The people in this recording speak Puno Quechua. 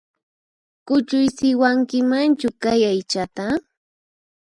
Kuchuysiwankimanchu kay aychata?